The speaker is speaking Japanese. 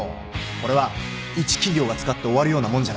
これは一企業が使って終わるようなもんじゃない。